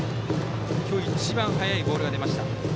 今日一番速いボールが出ました。